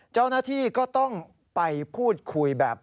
เจ้าหน้าที่ก็ต้องไปพูดคุยแบบ